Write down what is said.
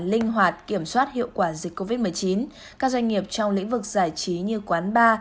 linh hoạt kiểm soát hiệu quả dịch covid một mươi chín các doanh nghiệp trong lĩnh vực giải trí như quán bar